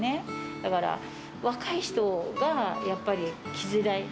だから若い人が、やっぱり来づらい。